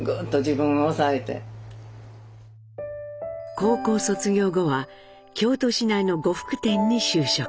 高校卒業後は京都市内の呉服店に就職。